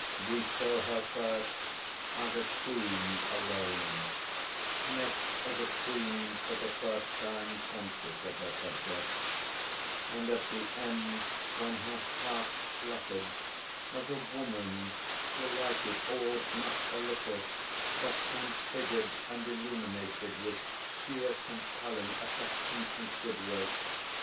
We saw her first as a queen alone; next as a queen for the first time conscious of her subjects, and at the end, when her hands fluttered, as a woman delighted, awed not a little, but transfigured and illuminated with sheer, compelling affection and goodwill.